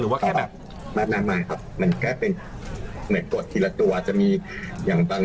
แล้วมันไปโดดสองทีด้วยกัน